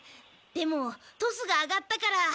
でもトスが上がったから。